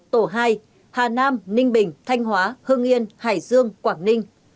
tổ hai hà nam ninh bình thanh hóa hương yên hải dương quảng ninh